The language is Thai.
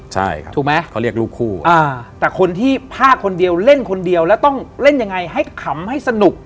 ใช่ครับถูกไหมเขาเรียกลูกคู่อ่าแต่คนที่พลาดคนเดียวเล่นคนเดียวแล้วต้องเล่นยังไงให้ขำให้สนุก